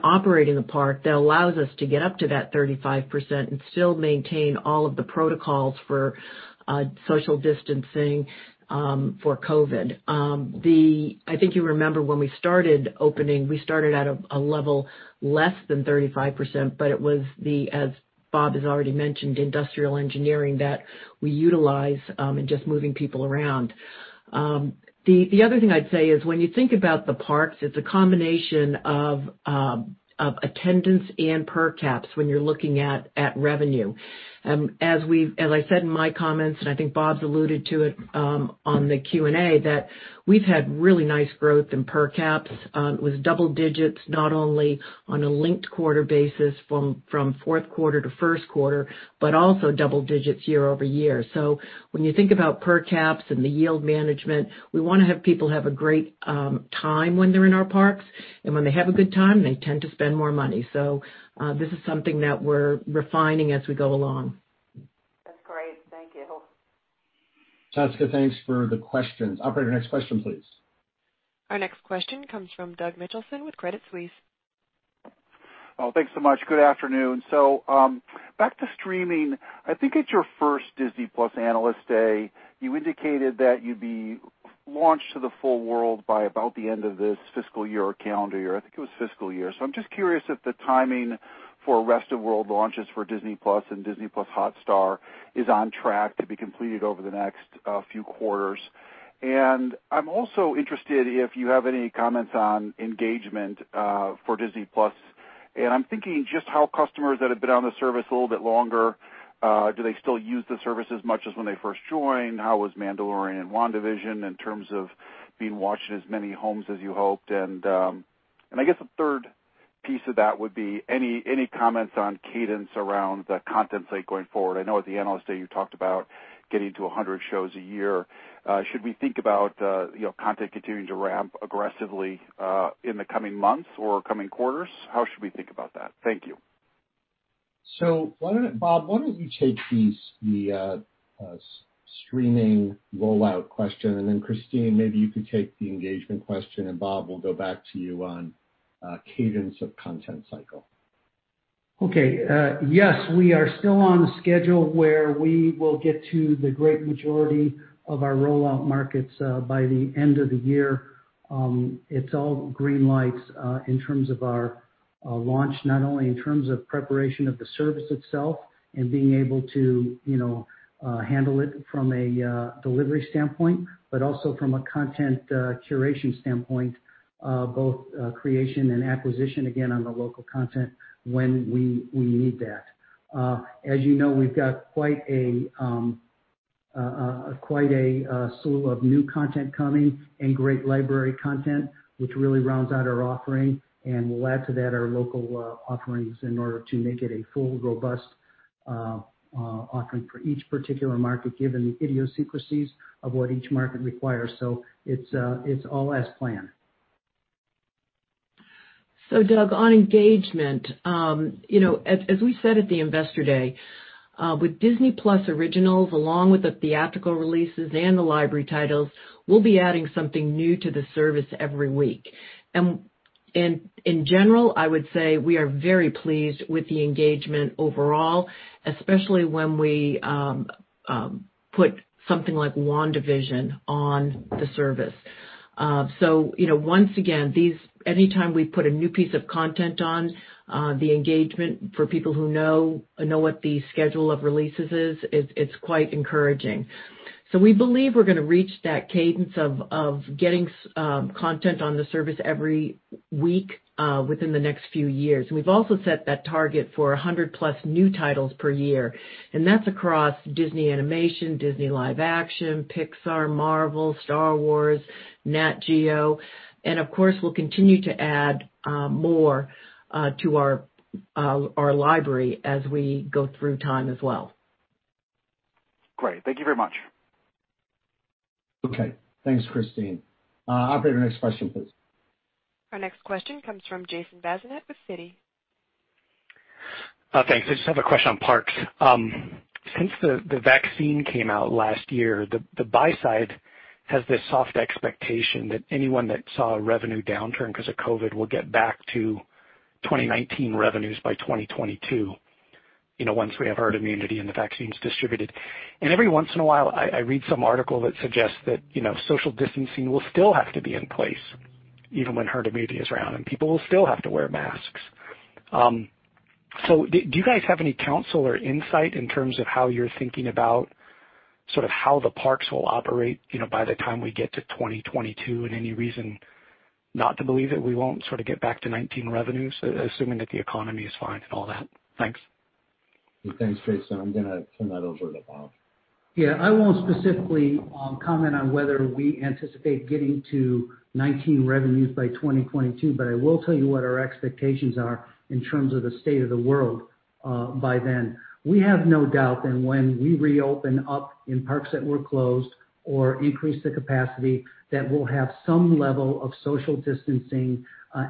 operating the park that allows us to get up to that 35% and still maintain all of the protocols for social distancing for COVID. I think you remember when we started opening, we started at a level less than 35%, it was the, as Bob has already mentioned, industrial engineering that we utilize in just moving people around. The other thing I'd say is when you think about the parks, it's a combination of attendance and per caps when you're looking at revenue. As I said in my comments, I think Bob's alluded to it on the Q&A, that we've had really nice growth in per caps with double digits, not only on a linked quarter basis from fourth quarter to first quarter, but also double digits year-over-year. When you think about per caps and the yield management, we want to have people have a great time when they're in our parks. When they have a good time, they tend to spend more money. This is something that we're refining as we go along. That's great. Thank you. Jessica, thanks for the questions. Operator, next question, please. Our next question comes from Doug Mitchelson with Credit Suisse. Well, thanks so much. Good afternoon. Back to streaming. I think at your first Disney+ Analyst Day, you indicated that you'd be launched to the full world by about the end of this fiscal year or calendar year. I think it was fiscal year. I'm just curious if the timing for rest of world launches for Disney+ and Disney+ Hotstar is on track to be completed over the next few quarters. I'm also interested if you have any comments on engagement for Disney+. I'm thinking just how customers that have been on the service a little bit longer, do they still use the service as much as when they first joined? How was Mandalorian and WandaVision in terms of being watched in as many homes as you hoped? I guess a third piece of that would be any comments on cadence around the content slate going forward? I know at the Analyst Day you talked about getting to 100 shows a year. Should we think about content continuing to ramp aggressively in the coming months or coming quarters? How should we think about that? Thank you. Bob, why don't you take the streaming rollout question and then Christine, maybe you could take the engagement question, and Bob, we'll go back to you on cadence of content cycle. Okay. Yes, we are still on schedule where we will get to the great majority of our rollout markets by the end of the year. It's all green lights in terms of our launch, not only in terms of preparation of the service itself and being able to handle it from a delivery standpoint, but also from a content curation standpoint, both creation and acquisition, again, on the local content when we need that. As you know, we've got quite a slew of new content coming and great library content, which really rounds out our offering, and we'll add to that our local offerings in order to make it a full, robust offering for each particular market given the idiosyncrasies of what each market requires. It's all as planned. Doug, on engagement, as we said at the Investor Day, with Disney+ originals, along with the theatrical releases and the library titles, we'll be adding something new to the service every week. In general, I would say we are very pleased with the engagement overall, especially when we put something like WandaVision on the service. Once again, anytime we put a new piece of content on, the engagement for people who know what the schedule of releases is, it's quite encouraging. We believe we're going to reach that cadence of getting content on the service every week within the next few years. We've also set that target for 100+ new titles per year, and that's across Disney Animation, Disney Live Action, Pixar, Marvel, Star Wars, Nat Geo. Of course, we'll continue to add more to our library as we go through time as well. Great. Thank you very much. Okay. Thanks, Christine. Operator, next question, please. Our next question comes from Jason Bazinet with Citi. Thanks. I just have a question on parks. Since the vaccine came out last year, the buy side has this soft expectation that anyone that saw a revenue downturn because of COVID will get back to 2019 revenues by 2022, once we have herd immunity and the vaccine's distributed. Every once in a while, I read some article that suggests that social distancing will still have to be in place even when herd immunity is around, and people will still have to wear masks. Do you guys have any counsel or insight in terms of how you're thinking about how the parks will operate by the time we get to 2022, and any reason not to believe that we won't get back to '19 revenues, assuming that the economy is fine and all that? Thanks. Thanks, Jason. I'm going to turn that over to Bob. Yeah. I won't specifically comment on whether we anticipate getting to 2019 revenues by 2022, I will tell you what our expectations are in terms of the state of the world by then. We have no doubt that when we reopen up in parks that were closed or increase the capacity, that we'll have some level of social distancing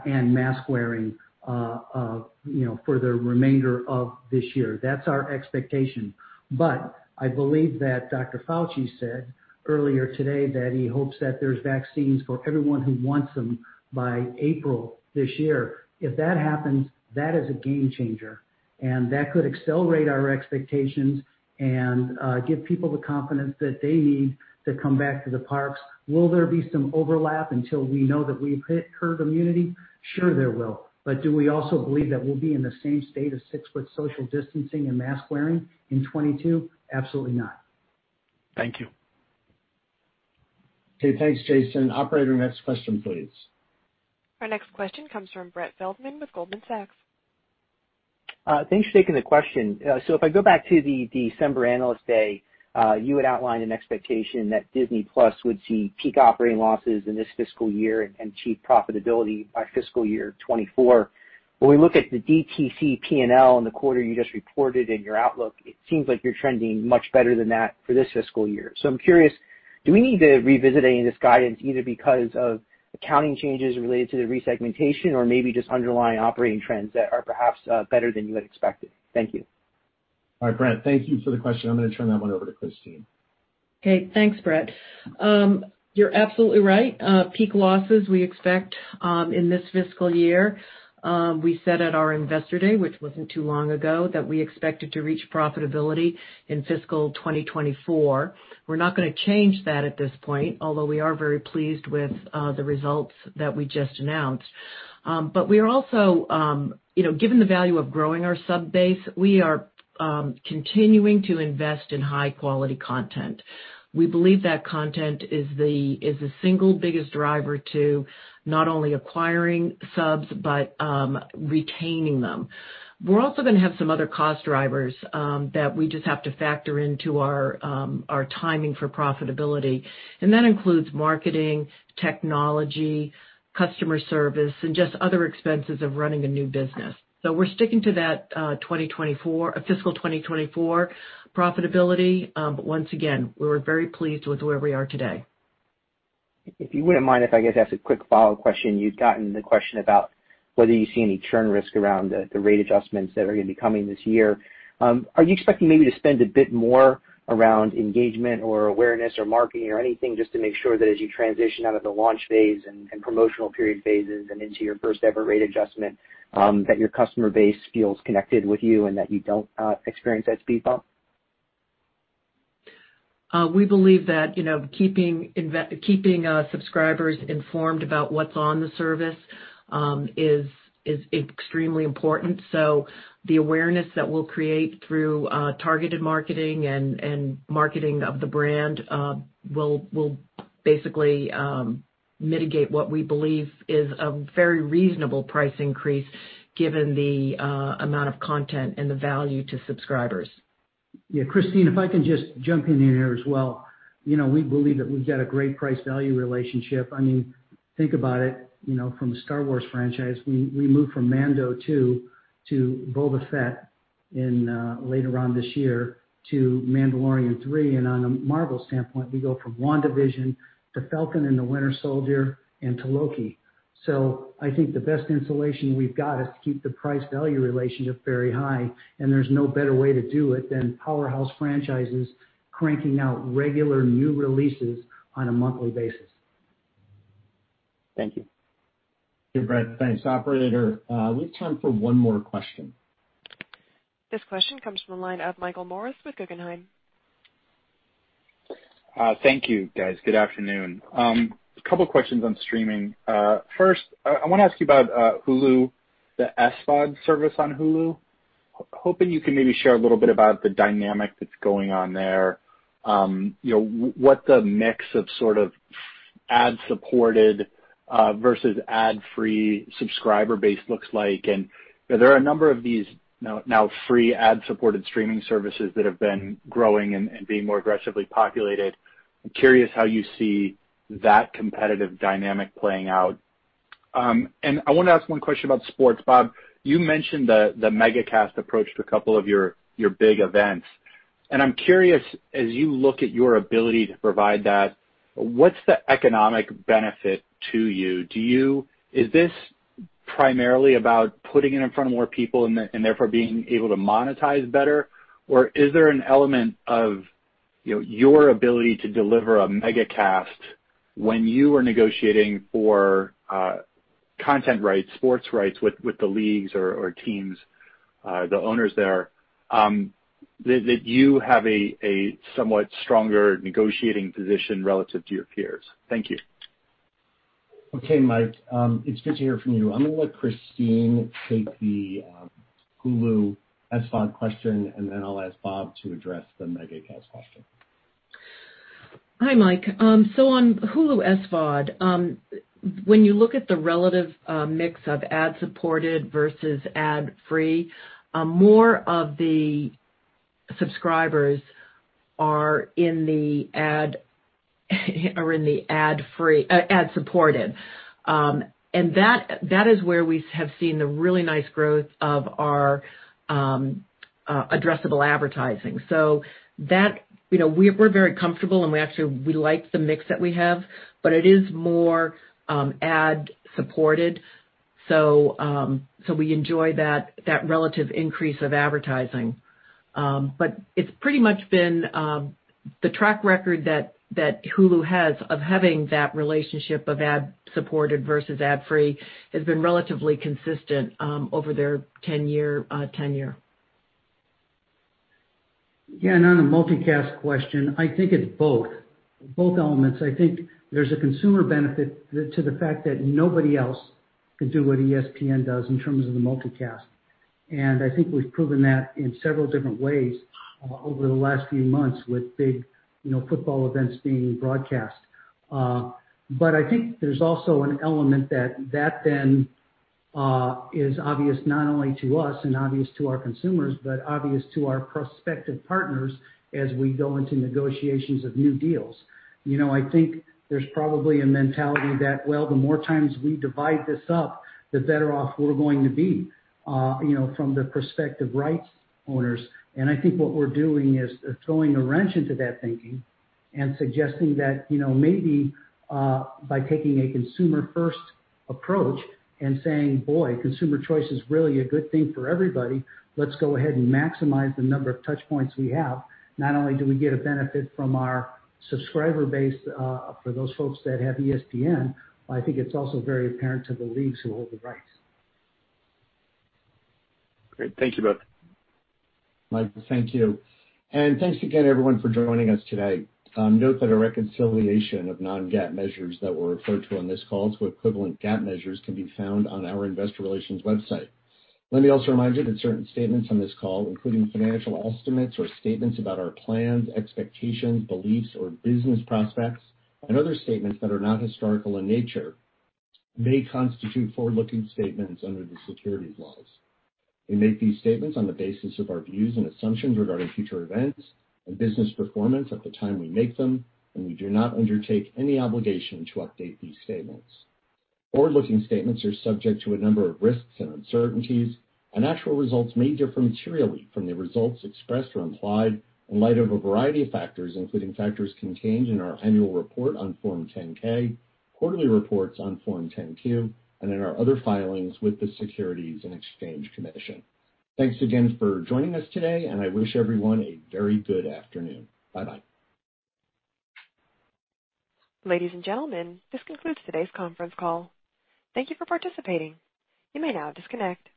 and mask wearing for the remainder of this year. That's our expectation. I believe that Dr. Fauci said earlier today that he hopes that there's vaccines for everyone who wants them by April this year. If that happens, that is a game changer, and that could accelerate our expectations and give people the confidence that they need to come back to the parks. Will there be some overlap until we know that we've hit herd immunity? Sure there will. Do we also believe that we'll be in the same state of six-foot social distancing and mask wearing in 2022? Absolutely not. Thank you. Okay. Thanks, Jason. Operator, next question, please. Our next question comes from Brett Feldman with Goldman Sachs. Thanks for taking the question. If I go back to the December Analyst Day, you had outlined an expectation that Disney+ would see peak operating losses in this fiscal year and achieve profitability by fiscal year 2024. When we look at the DTC P&L in the quarter you just reported in your outlook, it seems like you're trending much better than that for this fiscal year. I'm curious, do we need to revisit any of this guidance, either because of accounting changes related to the resegmentation or maybe just underlying operating trends that are perhaps better than you had expected? Thank you. All right, Brett, thank you for the question. I'm going to turn that one over to Christine. Okay. Thanks, Brett. You're absolutely right. Peak losses we expect in this fiscal year. We said at our Investor Day, which wasn't too long ago, that we expected to reach profitability in fiscal 2024. We're not going to change that at this point, although we are very pleased with the results that we just announced. We are also, given the value of growing our sub base, we are continuing to invest in high-quality content. We believe that content is the single biggest driver to not only acquiring subs but retaining them. We're also going to have some other cost drivers that we just have to factor into our timing for profitability, and that includes marketing, technology, customer service, and just other expenses of running a new business. We're sticking to that fiscal 2024 profitability. Once again, we're very pleased with where we are today. If you wouldn't mind if I ask a quick follow-up question? You'd gotten the question about whether you see any churn risk around the rate adjustments that are going to be coming this year. Are you expecting maybe to spend a bit more around engagement or awareness or marketing or anything, just to make sure that as you transition out of the launch phase and promotional period phases and into your first-ever rate adjustment, that your customer base feels connected with you and that you don't experience that speed bump? We believe that keeping subscribers informed about what's on the service is extremely important. The awareness that we'll create through targeted marketing and marketing of the brand will basically mitigate what we believe is a very reasonable price increase given the amount of content and the value to subscribers. Yeah. Christine, if I can just jump in here as well. We believe that we've got a great price-value relationship. Think about it. From the Star Wars franchise, we move from Mando 2 to Boba Fett later on this year to Mandalorian 3, and on a Marvel standpoint, we go from WandaVision to Falcon and The Winter Soldier and to Loki. I think the best insulation we've got is to keep the price-value relationship very high, and there's no better way to do it than powerhouse franchises cranking out regular new releases on a monthly basis. Thank you. Great. Thanks. Operator, we have time for one more question. This question comes from the line of Michael Morris with Guggenheim. Thank you, guys. Good afternoon. A couple questions on streaming. First, I want to ask you about Hulu, the SVOD service on Hulu. Hoping you can maybe share a little bit about the dynamic that's going on there. What the mix of sort of ad-supported versus ad-free subscriber base looks like. There are a number of these now free ad-supported streaming services that have been growing and being more aggressively populated. I'm curious how you see that competitive dynamic playing out. I want to ask one question about sports. Bob, you mentioned the mega-cast approach to a couple of your big events. I'm curious, as you look at your ability to provide that, what's the economic benefit to you? Is this primarily about putting it in front of more people and therefore being able to monetize better? Is there an element of your ability to deliver a MegaCast when you are negotiating for content rights, sports rights with the leagues or teams, the owners there, that you have a somewhat stronger negotiating position relative to your peers? Thank you. Okay, Mike. It's good to hear from you. I'm going to let Christine take the Hulu SVOD question, and then I'll ask Bob to address the mega-cast question. Hi, Mike. On Hulu SVOD, when you look at the relative mix of ad-supported versus ad-free, more of the subscribers are in the ad-supported. That is where we have seen the really nice growth of our addressable advertising. We're very comfortable, and we like the mix that we have, but it is more ad-supported. We enjoy that relative increase of advertising. It's pretty much been the track record that Hulu has of having that relationship of ad-supported versus ad-free has been relatively consistent over their 10-year tenure. On the multicast question, I think it's both elements. I think there's a consumer benefit to the fact that nobody else can do what ESPN does in terms of the multicast. I think we've proven that in several different ways over the last few months with big football events being broadcast. I think there's also an element that then is obvious not only to us and obvious to our consumers, but obvious to our prospective partners as we go into negotiations of new deals. I think there's probably a mentality that, well, the more times we divide this up, the better off we're going to be from the prospective rights owners. I think what we're doing is throwing a wrench into that thinking and suggesting that maybe by taking a consumer-first approach and saying, "Boy, consumer choice is really a good thing for everybody. Let's go ahead and maximize the number of touch points we have. Not only do we get a benefit from our subscriber base for those folks that have ESPN, but I think it's also very apparent to the leagues who hold the rights. Great. Thank you both. Mike, thank you. Thanks again, everyone, for joining us today. Note that a reconciliation of non-GAAP measures that were referred to on this call to equivalent GAAP measures can be found on our investor relations website. Let me also remind you that certain statements on this call, including financial estimates or statements about our plans, expectations, beliefs, or business prospects, and other statements that are not historical in nature, may constitute forward-looking statements under the securities laws. We make these statements on the basis of our views and assumptions regarding future events and business performance at the time we make them. We do not undertake any obligation to update these statements. Forward-looking statements are subject to a number of risks and uncertainties. Actual results may differ materially from the results expressed or implied in light of a variety of factors, including factors contained in our annual report on Form 10-K, quarterly reports on Form 10-Q, and in our other filings with the Securities and Exchange Commission. Thanks again for joining us today. I wish everyone a very good afternoon. Bye-bye. Ladies and gentlemen, this concludes today's conference call. Thank you for participating. You may now disconnect.